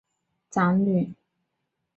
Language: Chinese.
娶宰相吴充长女。